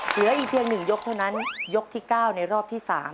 เหลืออีกเพียงหนึ่งยกเท่านั้นยกที่เก้าในรอบที่สาม